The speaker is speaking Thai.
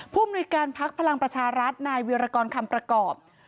มนุยการพักพลังประชารัฐนายวิรกรคำประกอบ